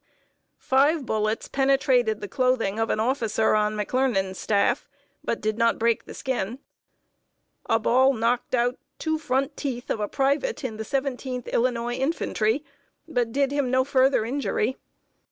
Five bullets penetrated the clothing of an officer on McClernand's staff, but did not break the skin. A ball knocked out two front teeth of a private in the Seventeenth Illinois Infantry, but did him no further injury.